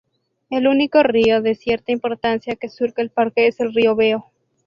El único río de cierta importancia que surca el parque es el río Veo.